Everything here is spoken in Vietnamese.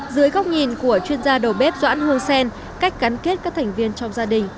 dưới góc nhìn của chuyên gia đầu bếp doãn hương sen cách gắn kết các thành viên trong gia đình